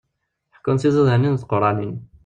Ḥekkun tizidanin d tquranin.